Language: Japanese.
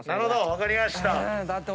分かりました。